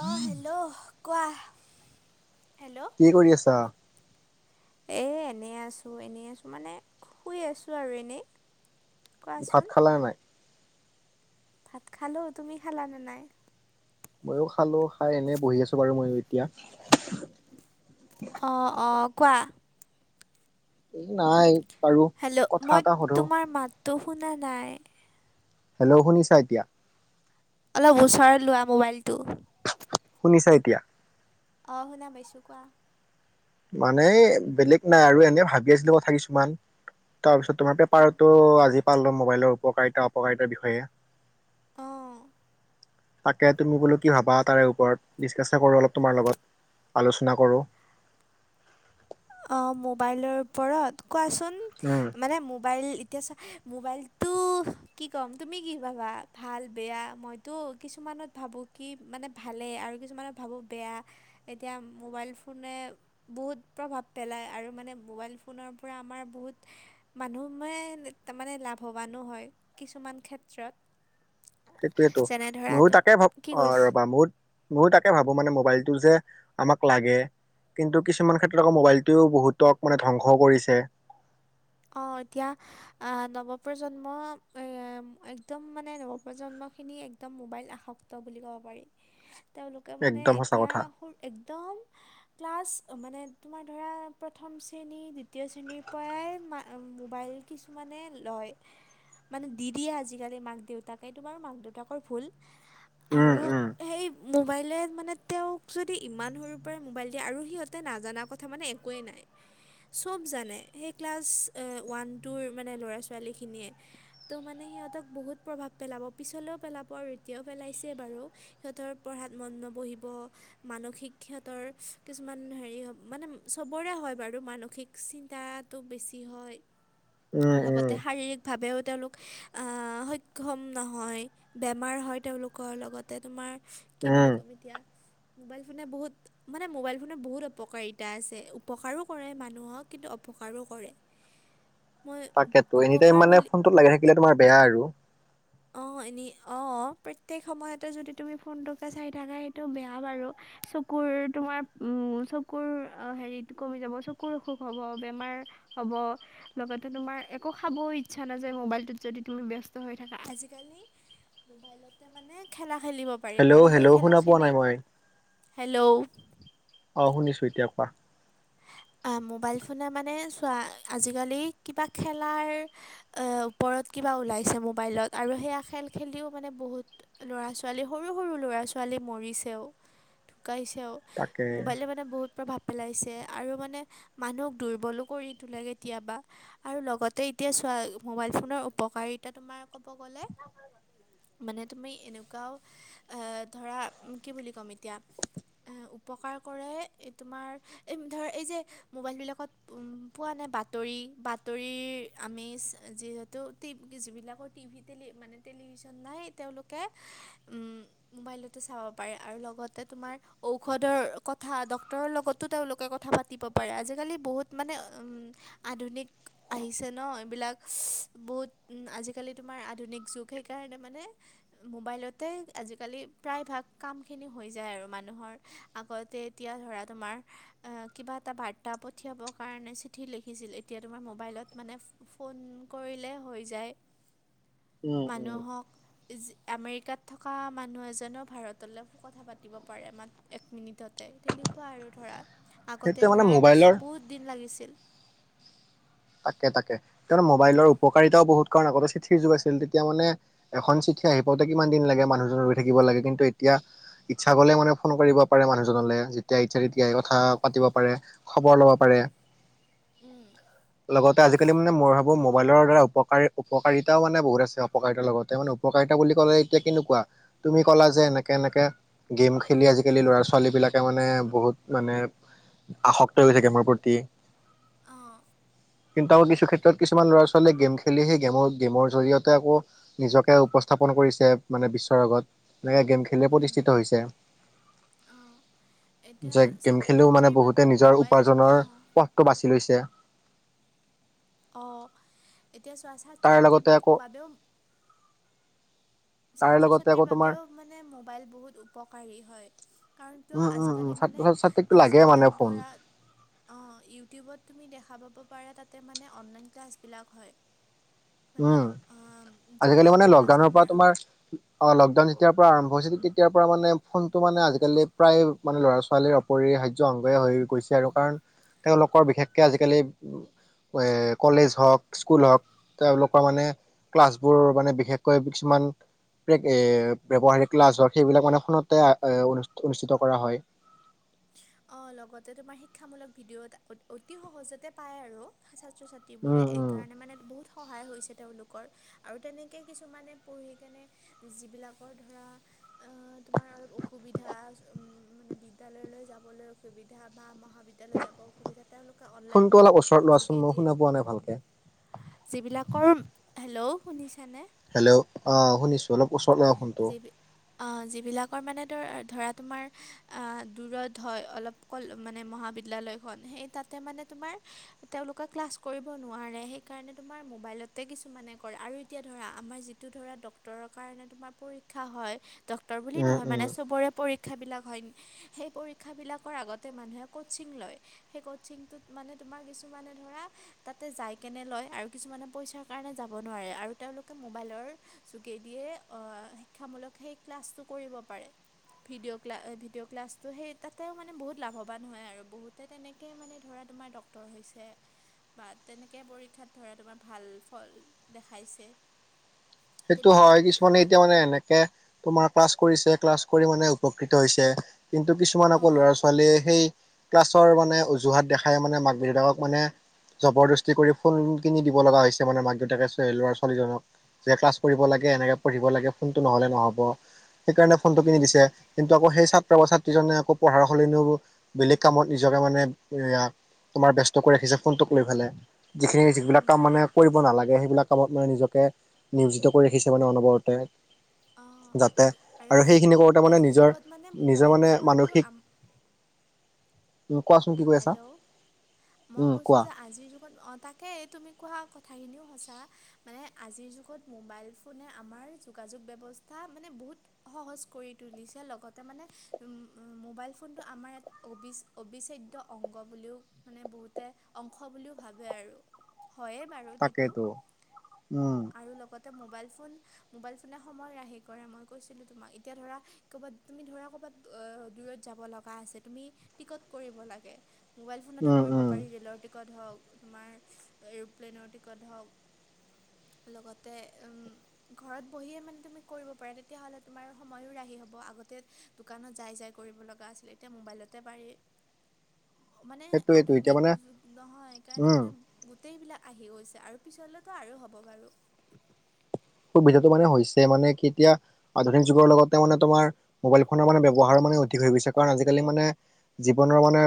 অ', hello কোৱাহ hello কি কৰি আছা এই এনেই আছোঁ এনেই আছোঁ মানে শুই আছোঁ আৰু এনেই ভাত কোৱাচোন খালা নে নাই ভাত খালো তুমি খালা নে নাই মইও খালো খাই এনে বহি আছো বাৰু মইও এতিয়া অ', অ', কোৱা এই নাই বাৰু হেল্ল' কথা মই এটা সোধো। তোমাৰ মাতটো শুনা নাই হেল্ল' শুনিছা এতিয়া অলপ ওচৰত লোৱা মোবাইলটো শুনিছা এতিয়া অ', শুনা পাইছোঁ কোৱা মানে এ বেলেগ নাই আৰু এনে ভাবি আছিলো কথা কিছুমান তাৰপিছত তোমাৰ উম পেপাৰতো আজি পা লম মোবাইলৰ উপকাৰিতা অপকাৰিতাৰ বিষয়ে অ তাকে তুমি বোলো কি ভাবা তাৰে ওপৰত ডিচকাচে কৰো অলপ তোমাৰ লগত আলোচনা কৰোঁ। অ', মোবাইলৰ ওপৰত কোৱাচোন উম মানে মোবাইল ইত এতিয়া চা মোবাইলটো কি ক'ম তুমি কি ভাবা ভাল বেয়া মই তো কিছুমানত ভাবোঁ কি মানে ভালে আৰু কিছুমানত ভাবোঁ বেয়া এতিয়া মোবাইল ফোনে বহুত প্ৰভাৱ পেলায় আৰু মানে মোবাইল ফোনৰ পৰা আমাৰ বহুত মানুহ মানে তাৰ মানে লাভৱানো হয় কিছুমান ক্ষেত্ৰত সেইটয়েতো যেনে ধৰা ময়ো তুম তাকে ভাব কি অ কৈছ ৰবা মই ময়ো তাকে ভাবো মানে মোবাইলটো যে আমাক লাগে। কিন্তু কিছুমান ক্ষেত্ৰত আকৌ মোবাইলটোৱেও বহুতক মানে ধ্বংসও কৰিছে অ', এতিয়া আ নৱপ্ৰজন্ম এ এম একদম মানে নৱপ্ৰজন্মখিনি একদম মোবাইল আসক্ত বুলি ক'ব পাৰি তেওঁলোকে মানে একদম সঁচা এতিয়া কথা হোৰ একদম ক্লাছ মানে তোমাৰ ধৰা প্ৰথম শ্ৰেণী দ্বিতীয় শ্ৰেণীৰ পৰাই মা মোবাইল কিছুমানে লয় মানে দি দিয়ে আজিকালি মাক দেউতাকে তোমাৰ মাক দেউতাকৰ ভুল উম আৰু উম সেই মোবাইলে মানে তেওঁক যদি ইমান সৰুৰ পৰাই মোবাইল দিয়ে আৰু সিহঁতে নাজানা কথা মানে একোৱেই নাই চব জানে সেই ক্লাছ এ ওৱান টুৰ মানে ল'ৰা ছোৱালীখিনিয়ে ত' মানে সিহঁতক বহুত প্ৰভাৱ পেলাব পিছলৈও পেলাব আৰু এতিয়াও পেলাইছে বাৰু। সিহঁতৰ পঢ়াত মন নবহিব। মানসিক সিহতৰ কিছুমান হেৰি মানে চবৰে হয় বাৰু মানসিক। চিন্তাটো বেছি হয় উম উম [inaudible] শাৰীৰিক। ভাৱেও তেওঁলোক আ সক্ষম নহয়। বেমাৰ হয় তেওঁলোকৰ লগতে তোমাৰ কি বুলি উম ক'ম এতিয়া মোবাইল ফোনে বহুত। মানে মোবাইল ফোনত বহুত অপকাৰিতা আছে উপকাৰো কৰে মানুহক কিন্তু অপকাৰো কৰে। মই তাকেতো এনিটাইম উপকাৰ মানে বুলি ফোনত লাগি থাকিলে তোমাৰ বেয়া আৰু। অ এনে অ প্ৰত্যয়েক সময়তে যদি তুমি ফোনটোকে চাই থাকা সেইটো বেয়া বাৰু। চকুৰ তোমাৰ উ চকুৰ হেৰিত কমি যাব চকুৰ অসুখ হব বেমাৰ। হ'ব লগতে তুমাৰ একো খাবও ইচ্ছা নাযায় মোবাইলটোত যদি তুমি ব্যস্ত হৈ থা। আজিকালি মোবাইলতে মানে খেলা খেলিব। পাৰি আৰু হেল্ল' সেই হেল্ল' খেলা শুনা পোৱা খেলি নাই মই -হেল্ল'। অ শুনিছো এতিয়া কোৱা। আ মোবাইল ফোনে মানে চোৱা আজিকালি কিবা খেলাৰ। এ ওপৰত কিবা ওলাইছে মোবাইলত আৰু সেয়া খেল খেলিও মানে বহুত। ল'ৰা ছোৱালী সৰু সৰু ল'ৰা ছোৱালী মৰিছেও ঢুকাইছেও। তাকে মোবাইলে মানে বহুত প্ৰভাৱ পেলাইছে। আৰু মানে মানুহক দুৰ্বলো কৰি তোলে কেতিয়াবা। আৰু লগতে এতিয়া মোবাইল ফোনৰ উপকাৰিতা তোমাৰ কব গ'লে। মানে তুমি এনেকুৱাও আ ধৰা কি বুলি ক'ম এতিয়া। এ উপকাৰ কৰে তোমাৰ এই ধৰ এই যে মোবাইলবিলাকত। পোৱা নাই বাতৰি বাতৰিৰ আমি যিহেতুট যিবিলাকৰ টিভিত। টেলি মানে টেলিভিশন নাই তেওঁলোকে উম। মোবাইলতে চাব পাৰে আৰু লগতে তোমাৰ ঔষধৰ কথা ডক্তৰৰ লগতো। তেওঁলোকে কথা পাতিব পাৰে আজিকালি বহুত মানে উম আধুনিক। আহিছে ন এইবিলাক বহুত আজিকালি তোমাৰ আধুনিক যুগ সেইকাৰণে মানে। মোবাইলতে আজিকালি প্ৰায়ভাগ কামখিনি হৈ যায় আৰু মানুহৰ। আগতে এতিয়া ধৰা তোমাৰ। কিবা এটা বাৰ্তা পঠিয়াবৰ কাৰণে চিঠি লিখিছিল এতিয়া তোমাৰ মোবাইলত মানে। ফোন কৰিলে হৈ যায়। [inaudible] উম মানুহক। [inaudible] আমেৰিকাত থকা মানুহ এজনেও ভাৰতলৈ সু কথা পাতিব পাৰে মাত। এক মিনিটতে তেনেকুৱা আৰু ধৰা সেইটোৱে আগতে মানে ধৰা মোবাইলৰ বহুত দিন লাগিছিল। তাকে তাকে [unintelligible] মোবাইলৰ উপকাৰিতাও বহুত কাৰণ আগতে চিঠিৰ যুগ আছিল তেতিয়া মানে। এখন চিঠি আহি পাওঁতে কিমান দিন লাগে মানুহজন ৰৈ থাকিব লাগে কিন্তু এতিয়া। ইচ্ছা গলে মানে ফোন কৰিব পাৰে মানুহজনলৈ যেতিয়া ইচ্ছা তেতিয়াই কথা পাতিব পাৰে। খবৰ লব পাৰে। উম। লগতে আজিকালি মানে মই ভাবো মোবাইলৰ দ্বাৰা উপকাৰী উপকাৰিতাও মানে বহুত আছে উপপকাৰিতাৰ লগতে মানে। উপকাৰিতা বুলি কলে এতিয়া কেনেকুৱা তুমি কলা যে এনেকে এনেকে। গেম খেলি আজিকালি ল'ৰা ছোৱালী বিলাকে মানে বহুত মানে। আসক্ত হৈ থাকে মোৰ প্ৰতি। অঁ কীনতা কিছু ক্ষেত্ৰত কিছুমান ল'ৰা ছোৱালীয়ে গেম খেলি সেই গেমৰ গেমৰ জৰিয়তে আকৌ। নিজকে উপস্থাপন কৰিছে মানে বিশ্বৰ আগত এনেকে গেম খেলিয়ে উম প্ৰতিষ্ঠিত হৈছে। অঁ এতিয়া যে গেম ছাত্ৰ খেলিও মানে ছাত্ৰীৰ বহুতে বাবেও নিজৰ মোবাইল উপাৰ্জনৰ অ। পথটো বাছি লৈছে। অঁ এতিয়া চোৱা তাৰ লগতে ছাত্ৰ-ছাত্ৰীৰ আকৌ বাবেও। তাৰে ছাত্ৰ লগতে ছাত্ৰীৰ আকৌ বাবেও তোমাৰ। মানে মোবাইল বহুত উপকাৰী হয়। কাৰণ কিয় উম উম উম আজিকালি মানে ছাত্ৰ ছাত্ৰীকতো লাগে মানে যিবিলাক ফোন। ধৰা। অঁ ইউটিউবত তুমি দেখা পাব পাৰা তাতে মানে অনলাইন ক্লাছ বিলাক হয়। মানে উম অ আজিকালি যিবিলাক মানে ক্লাছ লকডাউনৰ পৰা আমাৰ। তোমাৰ অ', লকডাউন যেতিয়াৰ পৰা আৰম্ভ হৈছিল তেতিয়াৰ পৰা মানে ফোনটো মানে আজিকালি প্ৰায়। মানে ল'ৰা ছোৱালীৰ অপৰি সাৰ্য অংগই হৈ গৈছে আৰু কাৰণ তেওঁলোকৰ বিশেষকে আজিকালি। এ কলেজ হওক স্কুল হওক। তেওঁলোকৰ মানে ক্লাছবোৰ মানে বিশেষকৈ কিছুমান। এ ব্যৱহাৰিক লাজক সেইবিলাকনেখনতে অনুষ্ঠিত কৰা হয়। অ', লগতে তোমাৰ শিক্ষামূলক ভিডিঅ' অতি সহজতে পায় আৰু ছাত্ৰ ছা। ত্ৰি বোৰে উম এই উম কাৰণে মানে বহুত। সহায় হৈছে তেওঁলোকৰ আৰু তেনেকেই কিছুমানে পঢ়ি কেনে যিবিলাকৰ ধৰা। অ', তোমাৰ অলপ অসুবিধা উ মানে বিদ্য়ালয়লৈ। যাবলৈ অসুবিধা বা মহাবিদ্যালয় যাব। সুবিধা তেওঁলোকে অন। ফোনটো অলপ ওচৰত লোৱাচোন মই শুনা পোৱা নাই ভালকে। যিবিলাকৰ হেল্ল' শুনিছানে। হেল্ল' অ শুনিছোঁ অলপ ওচৰত লৈ আহক ফোনটো। অ যিবিলাকৰ মানে ধৰ ধৰা তোমাৰ দূৰত হয় অলপ। কল মানে মহাবিদ্যালয়খন সেই তাতে মানে তোমাৰ। তেওঁলোকে ক্লাছ কৰিব নোৱাৰে সেইকাৰণে তোমাৰ মোবাইলতে কিছুমানে কৰে আৰু এতিয়া ধৰা আমাৰ যি। টো ধৰা ডটৰৰ কাৰণে তোমাৰ পৰীক্ষা হয় ডটৰ বুলি উম নহয় মানে উম চবৰে পৰী। পৰীক্ষাবিলাক হয় সেই পৰীক্ষাবিলাকৰ আগতে মানুহে ক'চিং লয়। সেই কচিংটোত মানে তোমাৰ কিছুমানে ধৰা। তাতে যাই কেনে লয় আৰু কিছুমানে পইচাৰ কাৰণে যাব নোৱাৰে আৰু তেওঁলোকে মোবাইলৰ। যোগেদিয়ে অ শিক্ষামূলক সেই ক্লাছটো কৰিব পাৰে। ভিডিঅ' ক্লা ভিডিঅ' ক্লাছটো সেই তাতেও মানে বহুত লাভৱান হয় আৰু বহুতে তেনেকে মানে ধৰা তোমাৰ ড। টৰ হৈছে। বা তেনেকে পৰীক্ষাত ধৰা তোমাৰ ভাল ফল দেখাইছে। সেইটো তেনেকুৱা হয় কিছুমানে আ- এতিয়া মানে এনে। কে তোমাৰ ক্লাছ কৰিছে ক্লাছ কৰি মানে উপকৃত হৈছে কিন্তু কিছুমান আকৌ অঁ ল'ৰা ছ। ছোৱালীয়ে সেই ক্লাছৰ মানে অজুহাত দেখাই মানে মাক দেউতাকক মানে। জবৰদস্তি কৰি ফুন কিনি দিব লগা হৈছে মানে মাক দেউতাকে ল'ৰা ছোৱালীজনক। যে ক্লাছ কৰিব লাগে এনেকে পঢ়িব লাগে ফোনটো নহলে নহব। সেইকাৰণে ফোনটো কিনি উম দিছে কিন্তু আকৌ সেই ছাত্ৰ বা ছাত্ৰীজনে আকৌ পঢ়াৰ সলেনিও। বেলেগ কামত নিজকে মানে এয়া তোমাৰ ব্যস্ত কৰি ৰাখিছে ফোনটোক লৈ পেলাই। যিখিনি যিবিলাক উম কাম মানে কৰিব নালাগে সেইবিলাক কামত মানে নিজকে। নিয়োজিত কৰি ৰাখিছে মানে অনবৰতে। অঁ যাতে আৰু জ- সেইখিনি কৰোতে মানে আজিৰ নিজৰ যুগত মানে নিজৰ মোবাইল মানে ফোনটো মানসিক। আম কোৱাচোন কৈ আছা হেল্ল' মই উম কৈছো কোৱা যে আজিৰ যুগত অ তাক সেই তুমি কোৱা কথাখিনিও সঁচা মানে আজিৰ যুগত মোবাইল ফোনে আমাৰ যোগাযোগ ব্যৱ স্থা মানে বহুত সহজ কৰি তুলিছে লগতে মানে মোবাইল ফোনটো আমাৰ এক অবি অবিচ্ছেদ্য অংগ বুলিও মানে বহুতে অংশ বুলিও ভাবে আৰু। হয়ে বাৰু টেটো তাকেইতো উম আৰু লগত এ মোবাইল ফোন মোবাইল ফোনে সময় ৰাহি কৰে মই কৈছিলো তোমাক এতিয়া ধৰা ক'ৰবাত তুমি ধৰা ক'ৰবাত দূৰত যাব লগা আছে তুমি টিকট কৰিব লাগে মোবাইল ফোনতে উম কৰিব উম পাৰি ৰে'লৰ টিকট হওক তোমাৰ এৰ'প্লেনৰ টিকট হওক লগতে উম ঘৰত বহিয়ে মানে তুমি কৰিব পাৰা তেতিয়া হলে তোমাৰ সময়ো ৰাহি হ'ব আগতে দোকানত যাই যাই কৰিব লগা আছিল এতিয়া মোবাইলতে পাৰি। মানে সেইটোয়েইটো এতিয়া আধুনিক মানে যুগ নহয় সেইকাৰণে উম মানে গোটেইবিলাক আহি গৈছে আৰু পিছলেতো আৰু হ'ব বাৰু। সুবিধাতো মানে হৈছে মানে কি এতিয়া আধুনিক যুগৰ লগতে মানে তোমাৰ মোবাইল ফোনৰ মানে ব্যৱহাৰো মানে অধিক হৈ গৈছে কাৰণ আজিকালি মানে জীৱনৰ মানে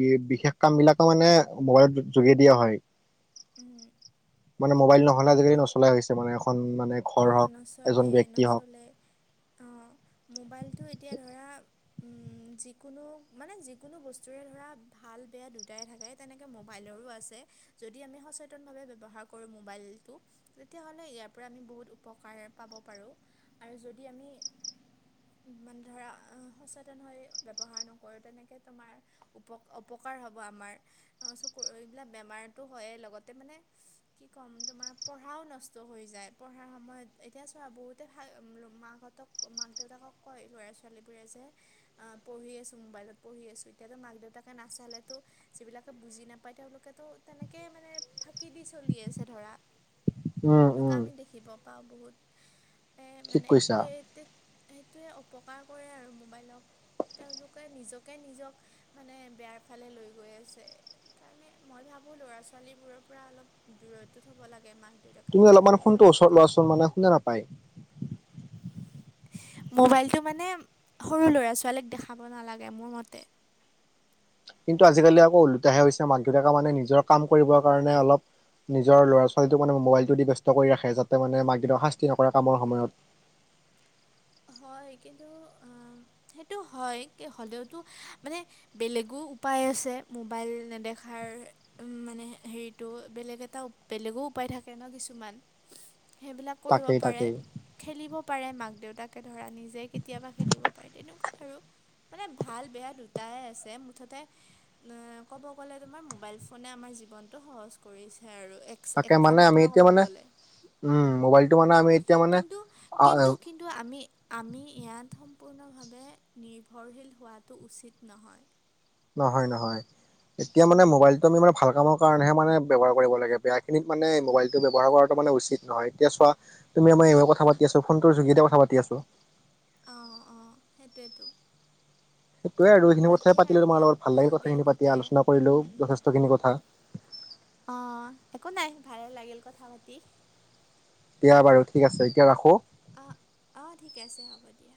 বি বিশেষ কাম বিলাকো মানে মোবাইলৰ যোগেদিয়ে হয় উম মানে মোবাইল নহ'লে আজিকালি নচলাই হৈছে মানে এখন মানে অ ঘৰ হওক এজন নচলে ব্যক্তি হওক নচলে অ মোবাইলটো এতিয়া ধৰা উম যিকোনো মানে যিকোনো বস্তুৰে ধৰা ভাল বেয়া দুটাই থাকে তেনেকে মোবাইলৰো আছে যদি আমি সচেতনভাৱে ব্যৱহাৰ কৰো মোবাইলতো তেতিয়াহ'লে ইয়াৰ পৰা আমি বহুত উপকাৰ পাব পাৰো আৰু যদি আমি মানে ধৰা সচেতন হৈ ব্যৱহাৰ নকৰো তেনেকে তোমাৰ উপ অপকাৰ হ'ব আমাৰ চক এইবিলাক বেমাৰতো হয়েই লগতে মানে কি ক'ম তোমাৰ পঢ়াও নষ্ট হৈ যায় পঢ়াৰ সময়ত এতিয়া চোৱা বহুতে ভাল মাকহঁতক মাক দেউতাকক কয় ল'ৰা ছোৱালীবোৰে যে আহ পঢ়ি আছো মোবাইলত পঢ়ি আছো এতিয়াতো মাক দেউতাকে নাচালেতো যিবিলাকে বুজি নাপায় তেওঁলোকেতো তেনেকে মানে ফাকি দি চলি আছে ধৰা উম এনেকোৱা উম আমি দেখিব পাওঁ বহুত এ ঠিক মানে কৈছা এই সেইটোৱে অপকাৰ কৰে আৰু মোবাইলক তেওঁলোকে নিজকে নিজক মানে বেয়াৰ ফালে লৈ গৈ আছে সেইকাৰণে মই ভাবো ল'ৰা ছোৱালী বোৰৰ পৰা অলপ দূৰতে থব লাগে মাক দেউতাকে মোবাইলটো ল'ৰা অলপ দেখা ছোৱালী মানে শুনে নাপায় মোবাইলটো মানে সৰু ল'ৰা ছোৱালীক দেখাব নালাগে মোৰ মতে কিন্তু আজিকালি আকৌ ওলোটাহে হৈছে মাক দেউতাকে মানে নিজৰ কাম কৰিবৰ কাৰণে অলপ নিজৰ ল'ৰা ছোৱালীটোক মানে মোবাইলটো দি ব্যস্ত কৰি ৰাখে যাতে মানে মাক দেউতাকক শাস্তি নকৰে কামৰ সময়ত হয় কিন্তু সেইটো হয় কি হ'লেওতো মানে বেলেগো উপায় আছে মোবাইল নেদেখাৰ উম মানে হেৰিটো বেলেগ এটা বেলেগো উপায় থাকে ন কিছুমান সেইবিলাক কৰিব তাকেই পাৰে তাকেই খেলিব পাৰে মাক দেউতাক এনেকে ধৰা নিজে কেতিয়াবা খেলিব পাৰি তেনেকোৱা আৰু মানে ভাল বেয়া দুইটাই আছে মুঠতে নে ক'ব গ'লে তোমাৰ মোবাইল ফোনে আমাৰ জীৱনটো সহজ কৰিছে আৰু এ তাকে মানে আমি এতিয়া মানে উম মোবাইলটো মানে আমি এতিয়া মানে কিন্তু আ কিন্তু কিন্তু আমি আমি ইয়াত সম্পূৰ্ণভাৱে নিৰ্ভৰশীল হোৱাটো উচিত নহয়। নহয় নহয় এতিয়া মানে উম, মোবাইলটো আমি মানে ভাল কামৰ কাৰণেহে মানে ব্যৱহাৰ কৰিব লাগে বেয়াখিনিত মানে মোবাইলটো ব্যৱহাৰ কৰাটো মানে উচিত নহয়, এতিয়া চোৱা তুমি মই কথা পাতি আছো ফোনটোৰ যোগেদি কথা পাতি আছোঁ। অঁ অঁ সেইটোৱেতো। টোৱে [unintelligible] তাকে পাতিলো আৰু তোমাৰ দিয়া লগত ভাল লাগি বেয়া কথাখিনি পাতি দুটাই আলোচনা উম কৰিলেও যথেষ্টখিনি কথা। অ একো নাই ভাল লাগিল কথা পাতি। দিয়া বাৰু ঠিক আছে এতিয়া ৰাখো। অঁ অঁ ঠিকে আছে হ'ব দিয়া।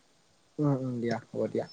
উম দিয়া হ'ব দিয়া।